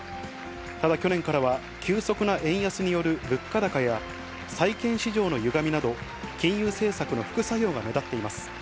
ただ、去年からは急速な円安による物価高や、債券市場のゆがみなど、金融政策の副作用が目立っています。